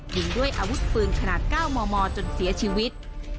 ยิงด้วยอาวุธปืนขนาด๙มมจนเสียชีวิต